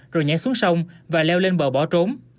rồi nhảy xuống sông và leo lên bờ bỏ trốn